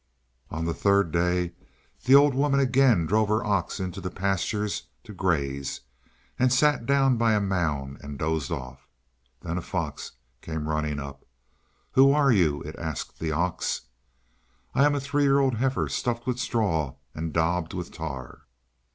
On the third day the old woman again drove her ox into the pastures to graze, and sat down by a mound and dozed off. Then a fox came running up. "Who are you?" it asked the ox. "I'm a three year old heifer, stuffed with straw and daubed with tar."